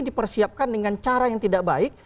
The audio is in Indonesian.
dipersiapkan dengan cara yang tidak baik